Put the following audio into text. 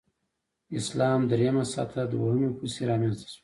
اسلام درېمه سطح دویمې پسې رامنځته شوه.